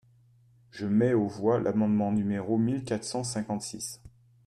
Je mets aux voix l’amendement numéro mille quatre cent cinquante-six.